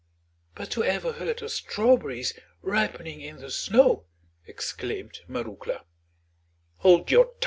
"But who ever heard of strawberries ripening in the snow?" exclaimed Marouckla.